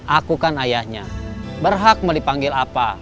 aku kan ayahnya berhak mau dipanggil apa